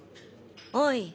おい。